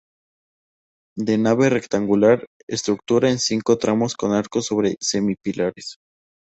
De nave rectangular, estructurada en cinco tramos con arcos sobre semi-pilares.